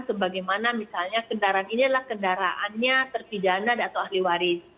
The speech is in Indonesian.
sebagaimana misalnya kendaraan ini adalah kendaraannya terpidana atau ahliwaris